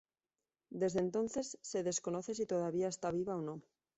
Desde entonces, se desconoce si todavía está viva o no.